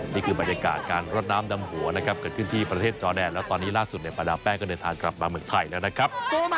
นี่คือบรรยากาศการรดน้ำดำหัวนะครับเกิดขึ้นที่ประเทศจอแดนแล้วตอนนี้ล่าสุดประดาแป้งก็เดินทางกลับมาเมืองไทยแล้วนะครับ